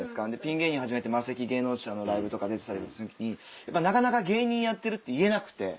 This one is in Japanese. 芸人始めてマセキ芸能社のライブとか出てたりする時になかなか芸人やってるって言えなくて。